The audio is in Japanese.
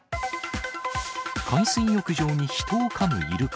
海水浴場に人をかむイルカ。